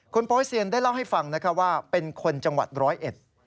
โป๊เซียนได้เล่าให้ฟังนะคะว่าเป็นคนจังหวัดร้อยเอ็ด